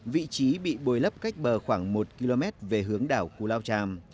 vị trí bị bồi lấp cách bờ khoảng một km về hướng đảo cù lao tràm